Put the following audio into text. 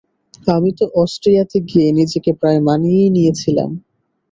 আমি তো অস্ট্রিয়াতে গিয়ে নিজেকে প্রায় মানিয়েই নিয়েছিলাম।